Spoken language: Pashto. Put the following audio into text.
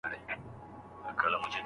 څنګه ډېره ډوډۍ ماڼۍ ته وړل کیږي؟